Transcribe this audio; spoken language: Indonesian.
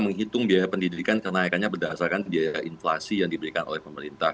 menghitung biaya pendidikan kenaikannya berdasarkan biaya inflasi yang diberikan oleh pemerintah